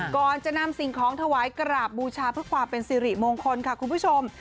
ก่อนจะนำสิ่งของถวายกราบบูชาเพื่อความเป็นสิริมงคลค่ะคุณผู้ชม